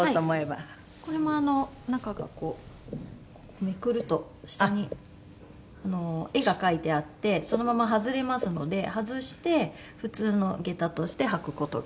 これも中がこうめくると下に絵が描いてあってそのまま外れますので外して普通の下駄として履く事ができます。